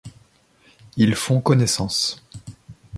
Ils font connaissance.